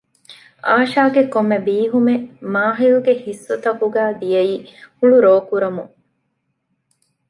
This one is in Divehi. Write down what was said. އާޝާގެ ކޮންމެ ބީހުމެއް މާޙިލްގެ ހިއްސުތަކުގައި ދިޔައީ ހުޅުރޯކުރަމުން